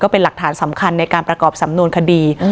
เป็นหลักฐานสำคัญในการประกอบสำนวนคดี